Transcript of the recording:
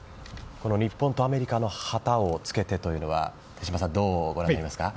日本とアメリカの旗を付けてというのは手嶋さん、どうご覧になりますか。